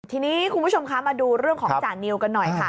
ทีนี้คุณผู้ชมคะมาดูเรื่องของจานิวกันหน่อยค่ะ